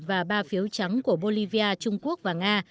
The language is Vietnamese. và ba phiếu trắng của bolivia trung quốc và nga